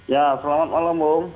ya selamat malam bung